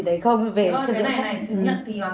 mình học xong thì mình có được cái chứng nhận gì đấy không